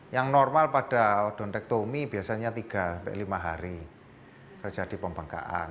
yang normal pada odontektomi biasanya tiga lima hari terjadi pembengkaan